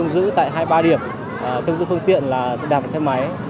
xe đạp và xe máy